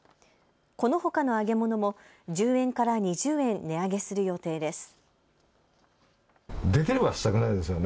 このほかの揚げ物も１０円から２０円値上げする予定です。